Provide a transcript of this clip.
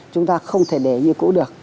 chúng ta không thể để như cũ được